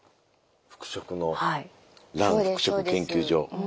服飾の蘭服飾研究所。